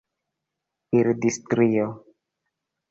bildstrio